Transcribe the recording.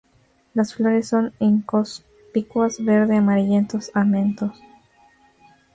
Las flores son inconspicuas, verde-amarillentos amentos.